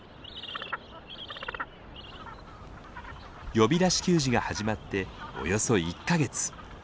呼び出し給餌が始まっておよそ１か月。